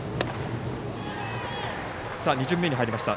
２巡目に入りました。